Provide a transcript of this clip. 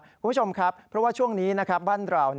คุณผู้ชมครับเพราะว่าช่วงนี้บ้านเรา